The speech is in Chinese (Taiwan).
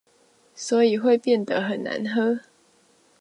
所以會變得很難喝